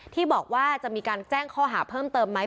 ที่บอกว่าจะมีการแจ้งข้อหาเพิ่มเติมไหม